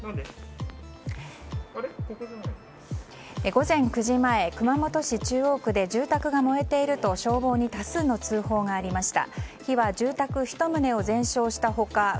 午前９時前、熊本市中央区で住宅が燃えていると消防に多数の通報がありました。